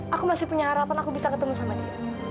aku masih punya harapan aku bisa ketemu sama dia